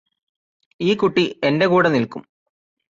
ഈ കുട്ടി എന്റെ കൂടെ നില്ക്കും